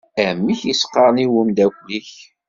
Amek i s-qqaṛen i wemdakel-ik?